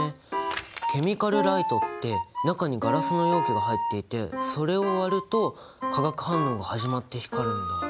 ケミカルライトって中にガラスの容器が入っていてそれを割ると化学反応が始まって光るんだ。